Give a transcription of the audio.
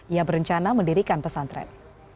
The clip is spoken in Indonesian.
ia berencana mendirikan pesantren